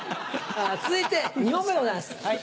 続いて２問目でございます。